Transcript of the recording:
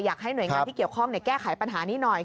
อยากให้หน่วยงานที่เกี่ยวข้องแก้ไขปัญหานี้หน่อย